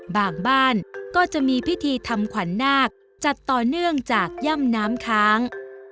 บ้านก็จะมีพิธีทำขวัญนาคจัดต่อเนื่องจากย่ำน้ำค้าง